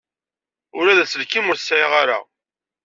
Ula d aselkim ur t-sɛiɣ ara.